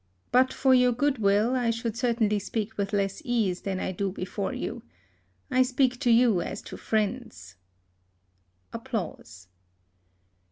But for your goodwill, I should certainly speak with less ease than I do before you. I speak to you as to friends.